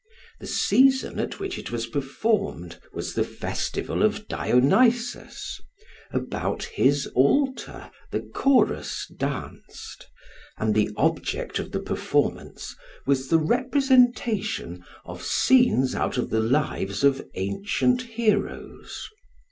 The season at which it was performed was the festival of Dionysus; about his altar the chorus danced; and the object of the performance was the representation of scenes out of the lives of ancient heroes.